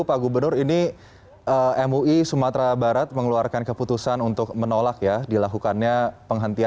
pak gubernur ini mui sumatera barat mengeluarkan keputusan untuk menolak ya dilakukannya penghentian